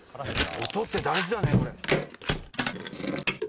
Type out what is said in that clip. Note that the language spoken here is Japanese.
音って大事だねこれ。